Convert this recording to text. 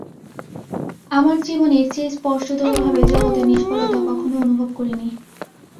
আমার জীবন এর চেয়ে স্পষ্টতর ভাবে জগতের নিষ্ফলতা কখনও অনুভব করিনি।